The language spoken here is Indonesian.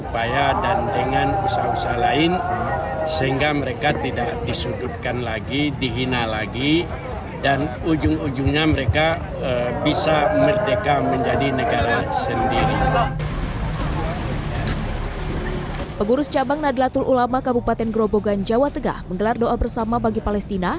pemurus cabang nadlatul ulama kabupaten grobogan jawa tegah menggelar doa bersama bagi palestina